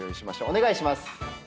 お願いします。